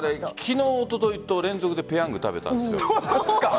昨日、おとといと連続でペヤングを食べたんですよ。